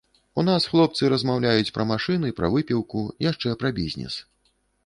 У нас хлопцы размаўляюць пра машыны, пра выпіўку, яшчэ пра бізнес.